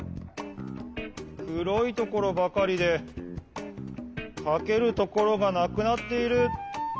くろいところばかりでかけるところがなくなっている。